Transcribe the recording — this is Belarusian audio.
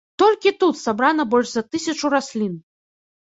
Толькі тут сабрана больш за тысячу раслін!